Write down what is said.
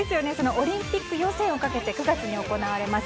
オリンピック予選をかけて９月に行われます